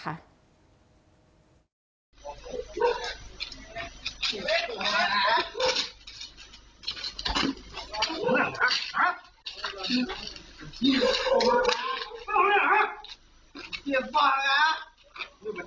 เป้าหมดนะไม่มาได้ก่อนนะ